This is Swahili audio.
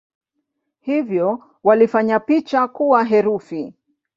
Hivyo walifanya picha kuwa herufi.